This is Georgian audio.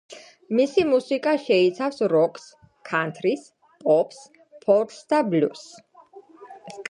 მისი მუსიკა მოიცავს როკს, ქანთრის, პოპს, ფოლკს და ბლუზს.